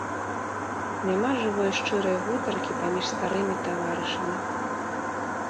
Няма жывой шчырай гутаркі паміж старымі таварышамі.